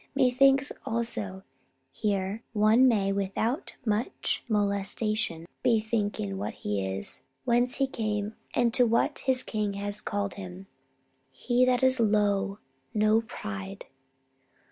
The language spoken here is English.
Methinks, also, here one may without much molestation be thinking what he is, whence he came, and to what his King has called him. He that is low, no pride.